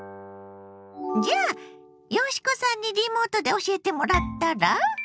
じゃあ嘉子さんにリモートで教えてもらったら？